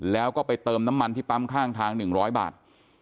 แล้วก็ไปเติมน้ำมันที่ปั๊มข้างทาง๑๐๐บาท